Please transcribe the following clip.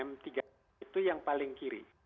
tiga m itu yang paling kiri